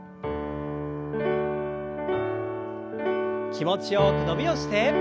気持ちよく伸びをして。